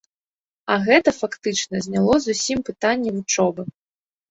А гэта, фактычна, зняло зусім пытанне вучобы.